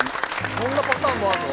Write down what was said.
そんなパターンもあるの？